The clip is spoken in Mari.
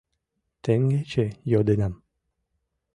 — Теҥгече йодынам.